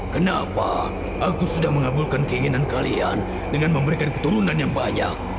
kenapa aku sudah mengabulkan keinginan kalian dengan memberikan keturunan yang banyak